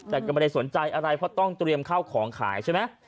แต่ก็ไม่ได้สนใจอะไรเพราะต้องเตรียมข้าวของขายใช่ไหม